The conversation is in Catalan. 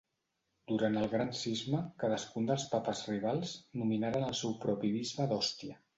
Durant el Gran Cisma, cadascun dels papes rivals nominaren el seu propi bisbe d'Òstia.